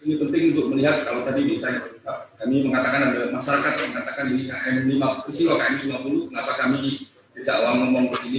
ini penting untuk melihat kalau tadi ditanya pak bika kami mengatakan ada masyarakat yang mengatakan ini km lima puluh kenapa kami kejauhan ngomong begini